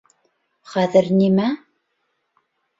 Хәҙер нимә?